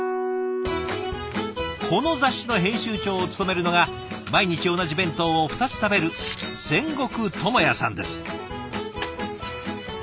この雑誌の編集長を務めるのが毎日同じ弁当を２つ食べる仙石智也さんです。